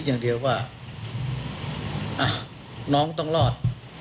อย่างเดียวว่าน้องต้องรอด